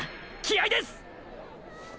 気合いです！！